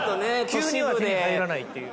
急には手に入らないっていう。